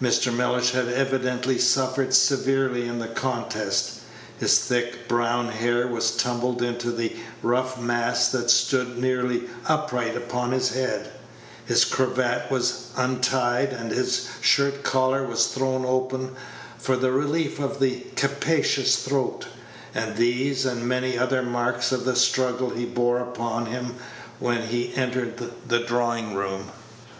Mr. Mellish had evidently suffered severely in the contest. His thick brown hair was tumbled into a rough mass that stood nearly upright upon his head, his cravat was untied, and his shirt Page 90 collar was thrown open for the relief of his capacious throat; and these and many other marks of the struggle he bore upon him when he entered the drawing room.